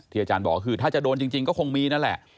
อาจารย์บอกคือถ้าจะโดนจริงก็คงมีนั่นแหละ